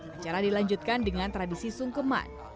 acara dilanjutkan dengan tradisi sungkeman